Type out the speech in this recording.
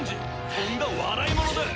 とんだ笑い者だ！